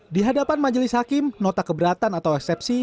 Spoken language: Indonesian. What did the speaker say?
di hadapan majelis hakim nota keberatan atau eksepsi